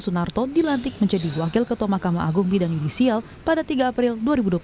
sunarto dilantik menjadi wakil ketua mahkamah agung bidang inisial pada tiga april dua ribu dua puluh tiga